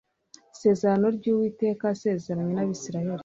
isezerano ry uwiteka yasezeranye n abisirayeli